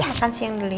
makan siang dulu ya